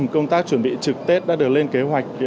công tác chuẩn bị trực tết đã được lên kế hoạch